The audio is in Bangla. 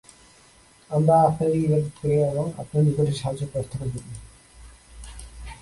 আমরা আপনারই ইবাদত করি এবং আপনার নিকটই সাহায্য প্রার্থনা করি।